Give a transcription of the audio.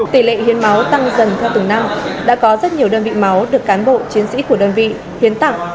tỷ lệ hiến máu tăng dần theo từng năm đã có rất nhiều đơn vị máu được cán bộ chiến sĩ của đơn vị hiến tặng